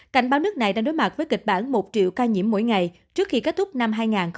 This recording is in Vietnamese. cảnh báo nước này đang đối mặt với kịch bản một triệu ca nhiễm mỗi ngày trước khi kết thúc năm hai nghìn hai mươi